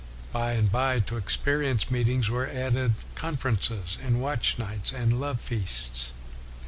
By and by, to experience meet ings were added conferences, and watch nights, and love feasts.